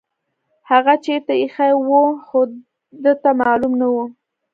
هغه چیرته ایښې وه خو ده ته معلومه نه وه.